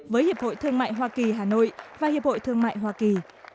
với hiệp hội thương mại hoa kỳ hà nội và hiệp hội thương mại hoa kỳ